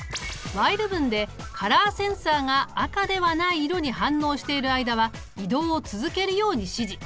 ｗｈｉｌｅ文でカラーセンサーが赤ではない色に反応している間は移動を続けるように指示。